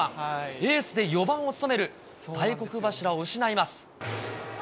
エースで４番を務める大黒柱を失います。